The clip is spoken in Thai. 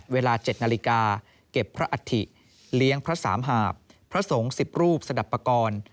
เวลา๗นาฬิกาเก็บพระอัฐิเลี้ยงพระสามหาบพระสงฆ์๑๐รูปสนับปกรณ์